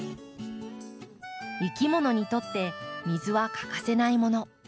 いきものにとって水は欠かせないもの。